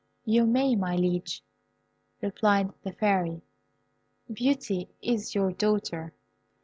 "You may, my liege," replied the Fairy; "Beauty is your daughter.